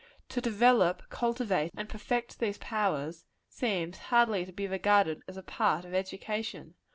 To develope, cultivate and perfect these powers; seems hardly to be regarded as a part of education.